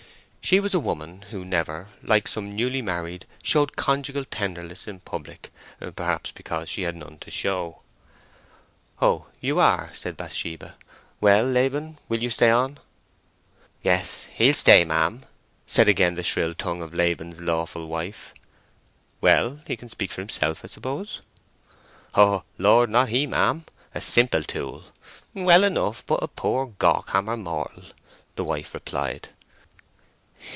She was a woman who never, like some newly married, showed conjugal tenderness in public, perhaps because she had none to show. "Oh, you are," said Bathsheba. "Well, Laban, will you stay on?" "Yes, he'll stay, ma'am!" said again the shrill tongue of Laban's lawful wife. "Well, he can speak for himself, I suppose." "Oh Lord, not he, ma'am! A simple tool. Well enough, but a poor gawkhammer mortal," the wife replied.